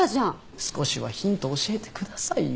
少しはヒント教えてくださいよ。